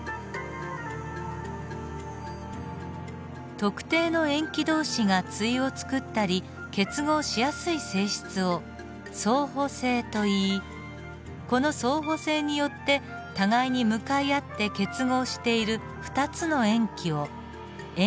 特定の塩基同士が対を作ったり結合しやすい性質を相補性といいこの相補性によって互いに向かい合って結合している２つの塩基を塩基対といいます。